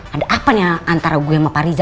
ada apanya antara gue sama pak riza